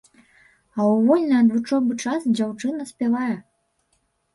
А ў вольны ад вучобы час дзяўчына спявае.